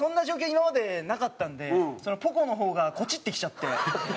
今までなかったんでポコの方がコチッてきちゃって。